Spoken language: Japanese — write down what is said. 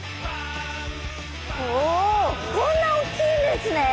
おおこんな大きいんですね！